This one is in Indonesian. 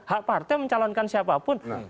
hak partai mencalonkan siapapun